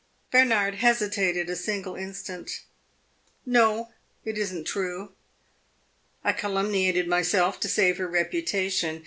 Bernard hesitated a single instant. "No, it is n't true. I calumniated myself, to save her reputation.